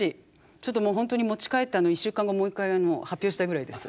ちょっとホントに持ち帰って１週間後もう一回発表したいぐらいです。